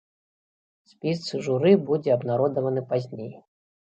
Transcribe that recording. Спіс журы будзе абнародаваны пазней.